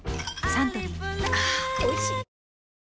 サントリーあぁおいしい！